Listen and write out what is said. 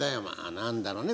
「何だろね？